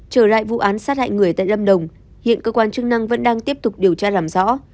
trở lại vụ án sát hại người tại lâm đồng hiện cơ quan chức năng vẫn đang tiếp tục điều tra làm rõ